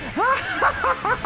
ハハハハ！